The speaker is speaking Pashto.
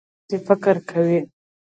تۀ هم داسې فکر کوې؟